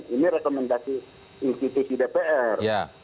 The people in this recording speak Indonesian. ini rekomendasi institusi dpr